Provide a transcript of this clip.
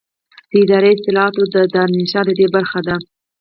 د اداري اصلاحاتو دارالانشا ددې برخه ده.